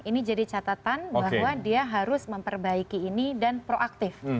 ini jadi catatan bahwa dia harus memperbaiki ini dan proaktif